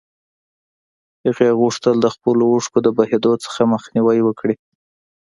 هغې غوښتل د خپلو اوښکو د بهېدو څخه مخنيوی وکړي.